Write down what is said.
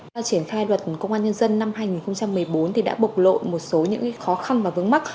chuyển khai luật công an nhân dân năm hai nghìn một mươi bốn thì đã bộc lộ một số những khó khăn và vướng mắt